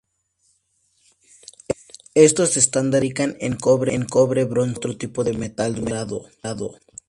Estos estandartes se fabricaban en cobre, bronce u otro tipo de metal dorado.